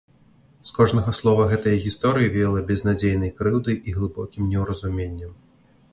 З кожнага слова гэтае гісторыі веяла безнадзейнай крыўдай і глыбокім неўразуменнем.